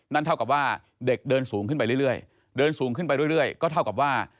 เท่ากับว่าเด็กเดินสูงขึ้นไปเรื่อยเดินสูงขึ้นไปเรื่อยก็เท่ากับว่า